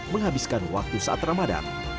menghabiskan waktu saat ramadan